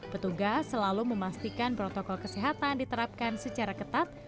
petugas selalu memastikan protokol kesehatan diterapkan secara ketat